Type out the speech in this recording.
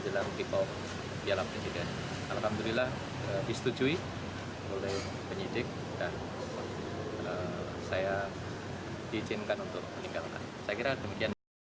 joko dryono mengaku hari ini tidak ada pemeriksaan